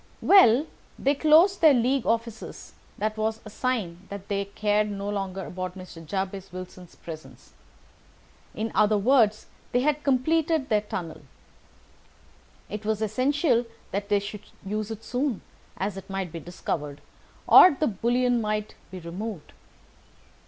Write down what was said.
"Well, when they closed their League offices that was a sign that they cared no longer about Mr. Jabez Wilson's presence—in other words, that they had completed their tunnel. But it was essential that they should use it soon, as it might be discovered, or the bullion might be removed.